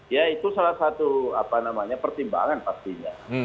ya itu salah satu apa namanya pertimbangan pastinya